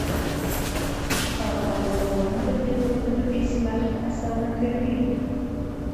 شفافه ارزونه د تېروتنو اصلاح اسانه کوي.